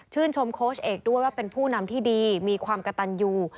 ชมโค้ชเอกด้วยว่าเป็นผู้นำที่ดีมีความกระตันอยู่